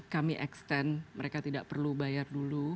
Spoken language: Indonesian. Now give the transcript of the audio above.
kami extend mereka tidak perlu bayar dulu